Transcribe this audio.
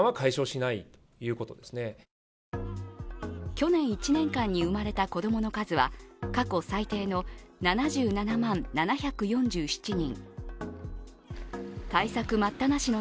去年１年間に生まれた子供の数は過去最低の７７万７４７人。